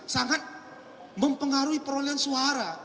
sangat mempengaruhi perolehan suara